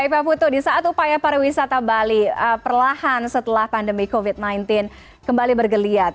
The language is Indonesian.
baik pak putu di saat upaya para wisata bali perlahan setelah pandemi covid sembilan belas kembali bergeliat